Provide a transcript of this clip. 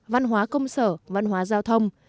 văn hóa công sở văn hóa giao thông